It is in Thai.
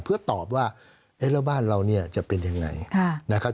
เพื่อตอบว่าแล้วบ้านเราจะเป็นอย่างไร